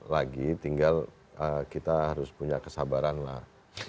lagi tinggal kita harus punya kesabaran lah